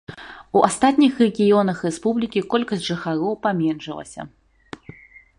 У астатніх рэгіёнах рэспублікі колькасць жыхароў паменшылася.